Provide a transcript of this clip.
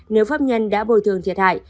nếu pháp nhân đã bồi thường thiệt hại